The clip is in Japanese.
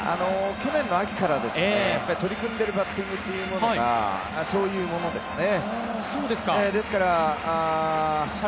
去年の秋から取り組んでいるバッティングというものがそういうものですね。